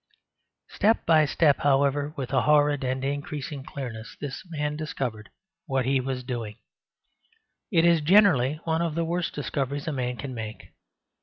Step by step, however, with a horrid and increasing clearness, this man discovered what he was doing. It is generally one of the worst discoveries a man can make.